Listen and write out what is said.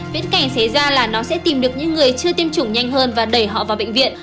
viễn cảnh xảy ra là nó sẽ tìm được những người chưa tiêm chủng nhanh hơn và đẩy họ vào bệnh viện